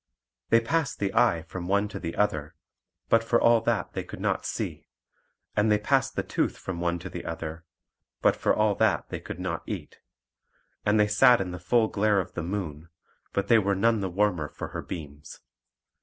They passed the eye from one to the other, but for all that they could not see; and they passed the tooth from one to the other, but for all that they could not eat; and they sat in the full glare of the moon, but they were none the warmer for her beams.